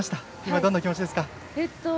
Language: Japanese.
どんなお気持ちですか？